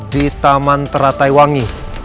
di taman terataiwangi